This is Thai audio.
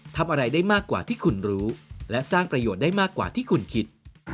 ทำอะไรได้มากกว่าที่คุณรู้และสร้างประโยชน์ได้มากกว่าที่คุณคิด